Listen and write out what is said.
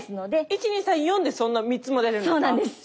１２３４でそんな３つも出るんですか？